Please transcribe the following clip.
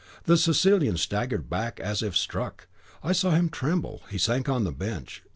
The Sicilian staggered back as if struck. I saw him tremble; he sank on the bench.